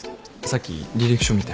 さっき履歴書見て。